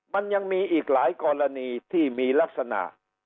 มันยังมีอีกหลายกรณีที่มีลักษณะ